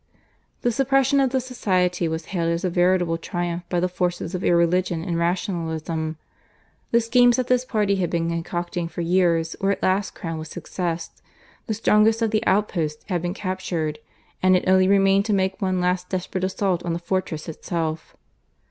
The suppression of the Society was hailed as a veritable triumph by the forces of irreligion and rationalism. The schemes that this party had been concocting for years were at last crowned with success; the strongest of the outposts had been captured, and it only remained to make one last desperate assault on the fortress itself.